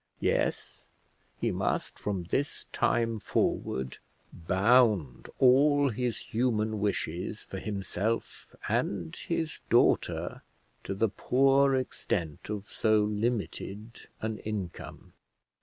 Yes, he must from this time forward bound all his human wishes for himself and his daughter to the poor extent of so limited an income.